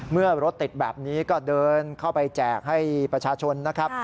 เมื่อรถติดแบบนี้ก็เดินเข้าไปแจกให้ประชาชนนะครับ